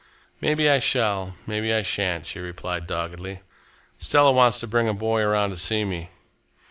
"Maybe I shall, maybe I shan't," she replied doggedly. "Stella wants to bring a boy around to see me.